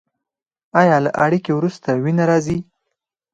ایا له اړیکې وروسته وینه راځي؟